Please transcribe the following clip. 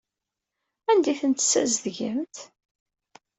Anda ay tent-tessazedgemt?